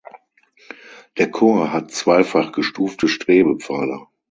Der Chor hat zweifach gestufte Strebepfeiler.